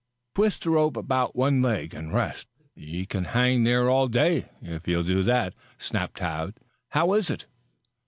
"Twist the rope about one leg and rest. You can hang there all day if you'll do that," snapped Tad. "How is it!"